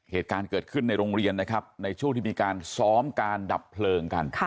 เหตุการณ์เกิดขึ้นในโรงเรียนนะครับในช่วงที่มีการซ้อมการดับเพลิงกัน